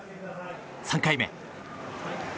３回目。